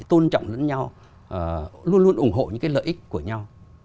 tôn trọng lẫn nhau luôn luôn ủng hộ những cái lợi ích của nhau